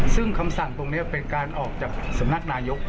ซึ่งคำสั่งตรงนี้เป็นการออกจากสำนักนายก